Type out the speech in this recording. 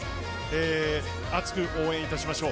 熱く応援いたしましょう。